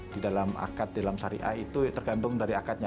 di dalam akad dalam syariah itu tergantung dari akadnya